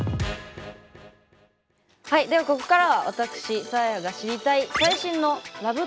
はいではここからは私サーヤが知りたい最新のＬＯＶＥ